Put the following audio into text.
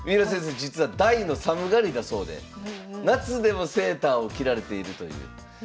実は大の寒がりだそうで夏でもセーターを着られているという。